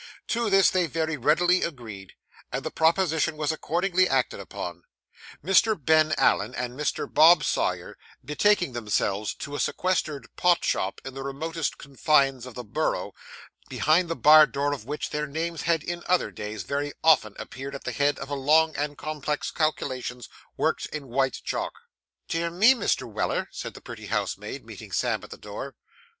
To this they very readily agreed, and the proposition was accordingly acted upon; Mr. Ben Allen and Mr. Bob Sawyer betaking themselves to a sequestered pot shop on the remotest confines of the Borough, behind the bar door of which their names had in other days very often appeared at the head of long and complex calculations worked in white chalk. 'Dear me, Mr. Weller,' said the pretty housemaid, meeting Sam at the door.